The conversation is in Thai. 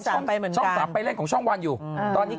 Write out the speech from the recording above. สามไปเหมือนกันช่องสามปล่อยเล่นของช่องวันอยู่อืมตอนนี้